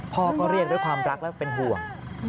พ่อก็เรียกด้วยความรักและเป็นห่วง